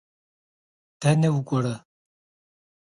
Дэнэ укӏуэрэ?